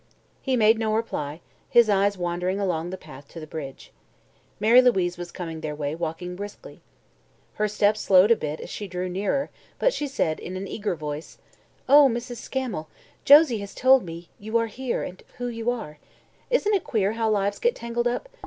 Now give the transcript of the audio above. He made no reply, his eyes wandering along the path to the bridge. Mary Louise was coming their way, walking briskly. Her steps slowed a bit as she drew nearer, but she said in an eager voice: "Oh, Mrs. Scammel, Josie has told me you are here and who you are. Isn't it queer how lives get tangled up?